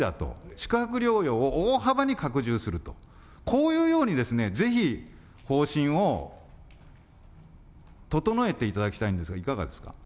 宿泊療養を大幅に拡充すると、こういうように、ぜひ方針を整えていただきたいんですが、いかがですか？